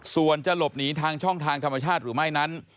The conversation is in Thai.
ส่วนจะหลบหนีทางช่องทางธรรมชาติหรือไม่นั้น